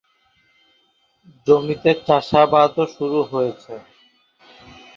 জমিতে চাষাবাদও শুরু হয়েছে।